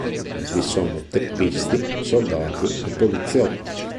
Vi sono teppisti, soldati e poliziotti.